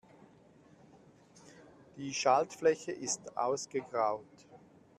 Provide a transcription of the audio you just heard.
Die Schaltfläche ist ausgegraut.